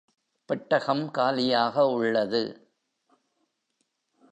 பெட்டகம் காலியாக உள்ளது.